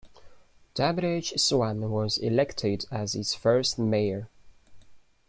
W. H. Swann was elected as its first mayor.